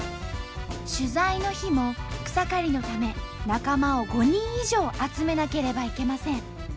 取材の日も草刈りのため仲間を５人以上集めなければいけません。